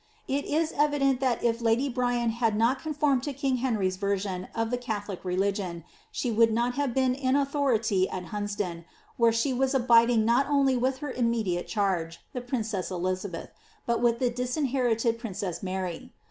^ It is evident that if Lady Bryan had not conformed to king Henry's version of the Catholic reli gion she would not have been in authority at Hunsdon, where she was abiding not only with her immediate charge, the princess Elizabeth, but with the disinherited princess Mary.